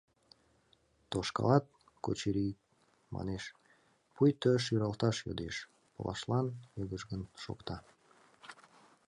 Тошкалат — кочыри-ик, манеш, пуйто шӱралташ йодеш, пылышлан йыгыжгын шокта.